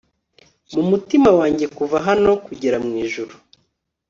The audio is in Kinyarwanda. mumutima wanjye kuva hano kugera mwijuru